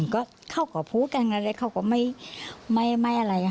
ก็เข้ากับผู้กันกันเลยเข้ากับไม่อะไร